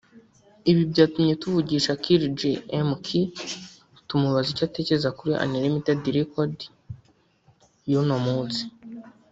Ibi byatumye tuvugisha Kill-G (M-Key) tumubaza icyo atekereza kuri Unlimited records y’uno munsi